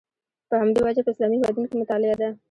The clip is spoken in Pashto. په همدې وجه په اسلامي هېوادونو کې مطالعه ده.